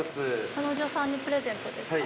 彼女さんにプレゼントですか？